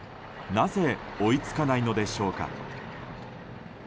なぜ追いつかないのでしょうか。